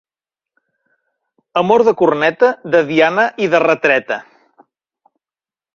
Amor de corneta, de diana i de retreta.